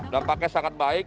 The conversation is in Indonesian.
dampaknya sangat baik